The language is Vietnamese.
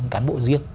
cán bộ riêng